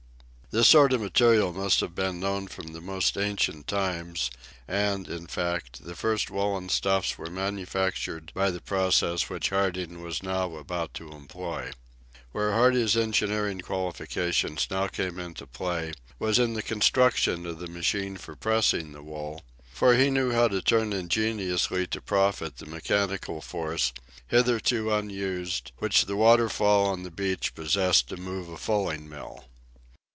This sort of material must have been known from the most ancient times, and, in fact, the first woolen stuffs were manufactured by the process which Harding was now about to employ. Where Harding's engineering qualifications now came into play was in the construction of the machine for pressing the wool; for he knew how to turn ingeniously to profit the mechanical force, hitherto unused, which the waterfall on the beach possessed to move a fulling mill.